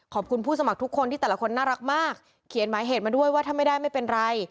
ผู้สมัครทุกคนที่แต่ละคนน่ารักมากเขียนหมายเหตุมาด้วยว่าถ้าไม่ได้ไม่เป็นไร